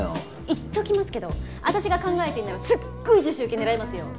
言っておきますけど私が考えていいならすっごい女子ウケ狙いますよ。